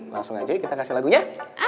langsung aja kita kasih lagunya